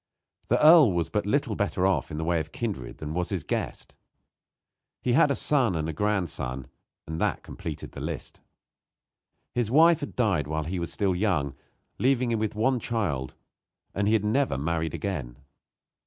The earl was but little better off in the way of kindred than was his guest. He had a son and a grandson, and that completed the list. His wife had died while he was still young, leaving him with one child, and he had never married again.